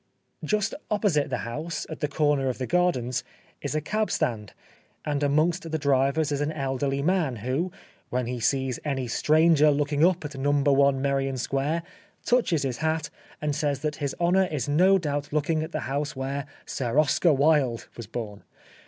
Just opposite the house, at the corner of the gardens, is a cab stand, and amongst the drivers is an elderly man who, when he sees any stranger looking up at No. i Merrion Square, touches his hat and says that his honour is no doubt looking at the house where " Sir Oscar Wilde " was born.